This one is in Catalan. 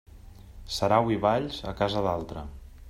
Sarau i balls, a casa d'altre.